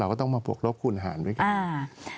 เราก็ต้องมาปกลบคูณหารไปกัน